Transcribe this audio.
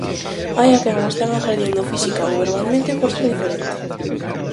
Hai a quen o están agredindo física ou verbalmente por ser diferente.